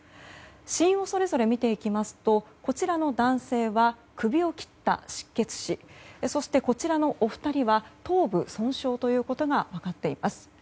死因をそれぞれ見ていきますとこちらの男性は首を切った失血死そして、こちらのお二人は頭部損傷ということが分かっています。